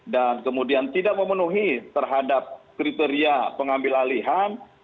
dan kemudian tidak memenuhi terhadap kriteria pengambil alihan